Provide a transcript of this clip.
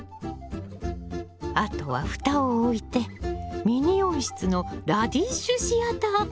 あとは蓋を置いてミニ温室のラディッシュシアター完成！